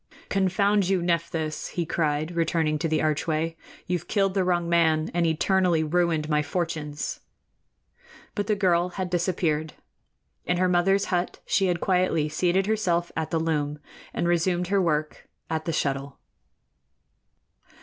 "Confound you, Nephthys!" he cried, returning to the archway, "you've killed the wrong man and eternally ruined my fortunes!" But the girl had disappeared. In her mother's hut she had quietly seated herself at the loom and resumed her work at the shuttle.